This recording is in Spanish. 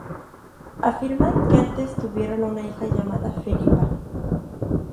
Afirman que antes tuvieron una hija llamada Felipa.